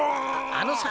あのさ